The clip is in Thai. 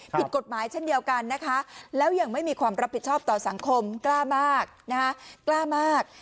ผิดกฎหมายเช่นเดียวกันนะคะแล้วยังไม่มีความรับผิดชอบต่อสังคมกล้ามากนะคะกล้ามาก